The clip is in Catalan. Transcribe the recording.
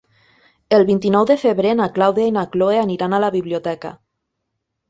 El vint-i-nou de febrer na Clàudia i na Cloè aniran a la biblioteca.